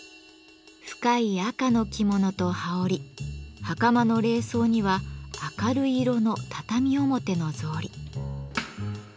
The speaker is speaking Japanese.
深い赤の着物と羽織袴の礼装には明るい色の畳表の草履。